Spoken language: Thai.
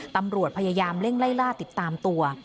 ตำรวจพยายามเร่งไล่ล่าติดตามตัว